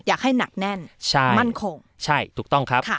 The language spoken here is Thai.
อยากให้หนักแน่นใช่มั่นคงใช่ถูกต้องครับ